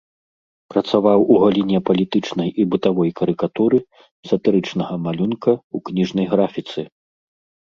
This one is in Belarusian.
Працаваў у галіне палітычнай і бытавой карыкатуры, сатырычнага малюнка, у кніжнай графіцы.